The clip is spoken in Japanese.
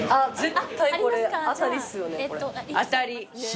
絶対これ当たりっすよね。